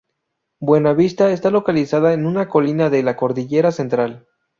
Buenavista está localizado en una colina de la Cordillera Central.